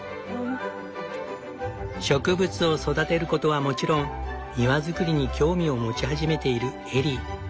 植物を育てることはもちろん庭造りに興味を持ち始めているエリー。